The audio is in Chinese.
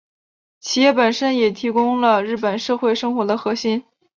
企业本身也提供了日本社会生活的核心。